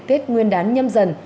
tết nguyên đán nhâm dần